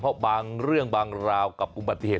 เพราะบางเรื่องบางราวกับอุบัติเหตุ